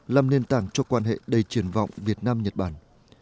làm nền tảng cho quan hệ đầy triển vọng việt nam nhật bản